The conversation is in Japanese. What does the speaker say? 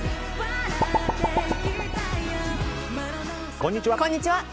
こんにちは。